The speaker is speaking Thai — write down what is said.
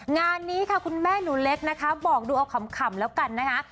งานนี้ค่ะคุณแม่หนูเล็กนะคะบอกดูเอาขำแล้วกันนะคะ